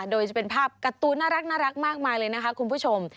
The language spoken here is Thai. โดยจะเป็นภาพการ์ตูนน่ารักมากมายเลยนะคะคุณผู้ชม